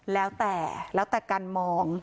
แล้วแต่แล้วแต่การมอง